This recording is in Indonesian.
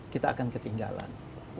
kita akan ketinggalan